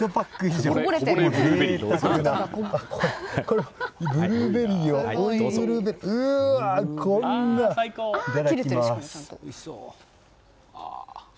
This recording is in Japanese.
では、いただきます。